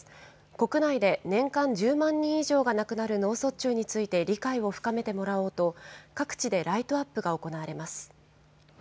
国内で年間１０万人以上が亡くなる脳卒中について理解を深めてもらおうと、各地でライトアップが行われます。